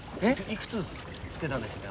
いくつつけたんでしたっけ？